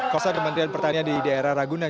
kepala kementerian pertanian